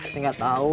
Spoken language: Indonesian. saya gak tau